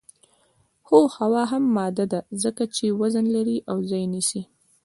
هو هوا هم ماده ده ځکه چې وزن لري او ځای نیسي.